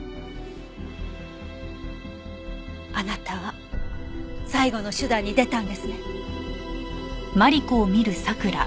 あなたは最後の手段に出たんですね？